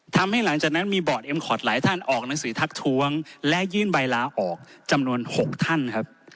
ทำให้หลังจากนั้นมีบอร์ดเอ็มคอร์ดหลายท่านออกหนังสือทักท้วงและยื่นใบลาออกจำนวน๖ท่านครับ